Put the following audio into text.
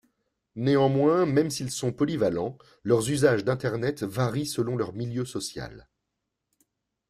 Néanmoins, même s'ils sont polyvalents, leurs usages d’internet varient selon leur milieu social.